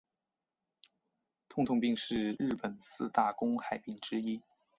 痛痛病是日本四大公害病之一。